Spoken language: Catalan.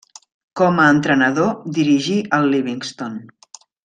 Com a entrenador dirigí el Livingston.